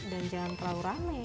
dan jangan terlalu rame